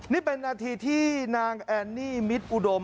นี่เป็นนาทีที่นางแอนนี่มิตรอุดม